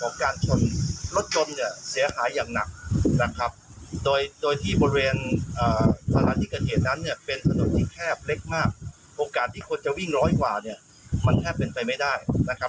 โอกาสที่คนจะวิ่งร้อยกว่าเนี่ยมันแทบเป็นไปไม่ได้นะครับ